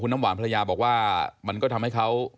น้ำหวานภรรยาบอกว่ามันก็ทำให้เขา